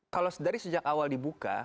kalau dari sejak awal dibuka